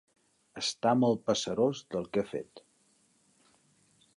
Està molt pesarós del que ha fet.